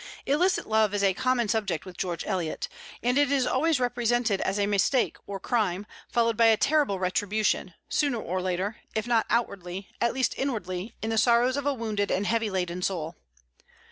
Illicit love is a common subject with George Eliot; and it is always represented as a mistake or crime, followed by a terrible retribution, sooner or later, if not outwardly, at least inwardly, in the sorrows of a wounded and heavy laden soul.